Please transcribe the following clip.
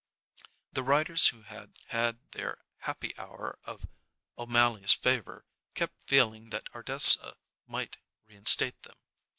The writers who had had their happy hour of O'Mally's favor kept feeling that Ardessa might reinstate them.